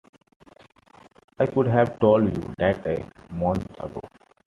I could have told you that a month ago.